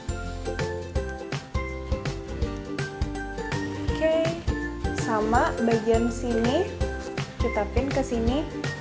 oke sama bagian sini kita pin ke sini